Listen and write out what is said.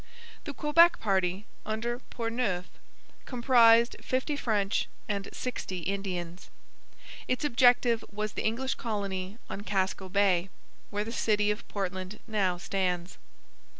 The Quebec party, under Portneuf, comprised fifty French and sixty Indians. Its objective was the English colony on Casco Bay, where the city of Portland now stands.